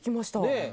ねえ！